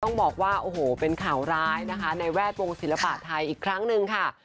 ต้องบอกว่าโอ้โหเป็นข่าวร้ายนะคะในแวดวงศิลปะไทยอีกครั้งหนึ่งค่ะ